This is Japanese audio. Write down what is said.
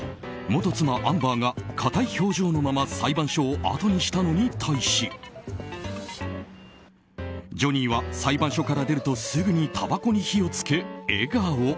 元妻アンバーが硬い表情のまま裁判所を後にしたのに対しジョニーは裁判所を出るとすぐにたばこに火を付け、笑顔。